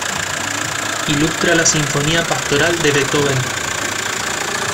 Ilustra la Sinfonía pastoral de Beethoven.